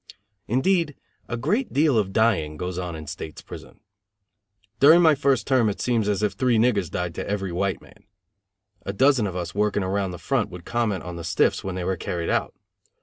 Indeed, a great deal of dying goes on in State's prison. During my first term it seemed as if three niggers died to every white man. A dozen of us working around the front would comment on the "stiffs" when they were carried out.